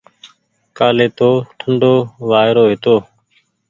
ڪآلي تو ٺنڍو وآئيرو هيتو۔